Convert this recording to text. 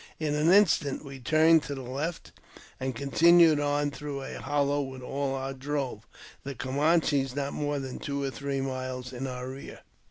In an instant we turned to the left, and continued on through a hollow with all our drove, the Camanches not more than two or three miles in our rear.